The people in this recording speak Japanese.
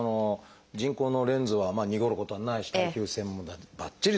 人工のレンズはにごることはないし耐久性もばっちりだと。